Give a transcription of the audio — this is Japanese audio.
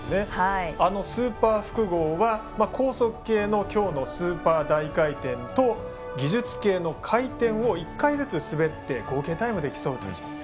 スーパー複合は高速系の今日のスーパー大回転と技術系の回転を１回ずつ滑って合計タイムで競うという。